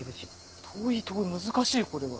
遠い難しいこれは。